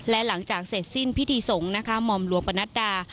และหลังจากเสร็จสิ้นพิธีสงฆ์มลัวปนัดดา